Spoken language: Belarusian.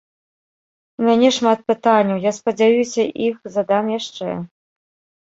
У мяне шмат пытанняў, я спадзяюся, іх задам яшчэ.